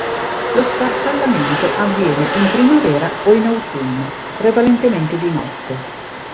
Lo sfarfallamento avviene in primavera o in autunno, prevalentemente di notte.